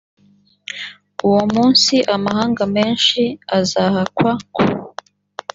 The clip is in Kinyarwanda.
uwo munsi amahanga menshi azahakwa ku